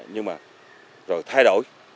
nhưng mà rồi thay đổi